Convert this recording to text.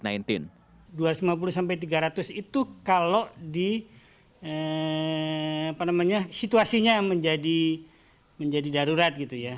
dua ratus lima puluh sampai tiga ratus itu kalau di apa namanya situasinya menjadi darurat gitu ya